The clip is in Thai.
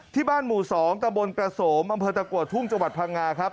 บ้านหมู่๒ตะบนกระโสมอำเภอตะกัวทุ่งจังหวัดพังงาครับ